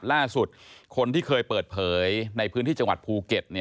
ล่าสุดคนที่เคยเปิดเผยในพื้นที่จังหวัดภูเก็ต